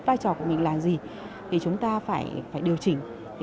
vai trò của mình là gì thì chúng ta phải điều chỉnh